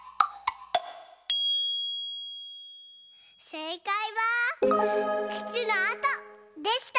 せいかいは「くつのあと」でした！